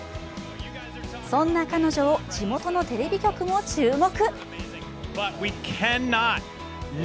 そんな彼女を地元のテレビ局も注目。